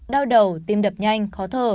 đau đầu tim đập nhanh khó thở